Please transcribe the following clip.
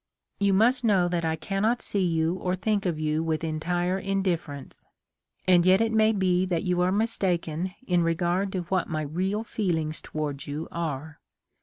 You must know that I cannot see you or think of you with entire indifference ; and yet it may be that you are rriistaken in regard to what my real feelings towards you are.